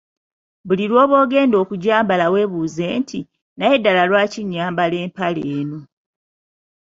Buli lw’oba ogenda okugyambala weebuuze nti, “Naye ddala lwaki nyambala empale eno?